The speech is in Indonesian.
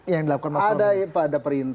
yang dilakukan mas romi ada perintah